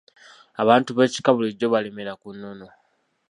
Abantu b'ekika bulijjo balemera ku nnono.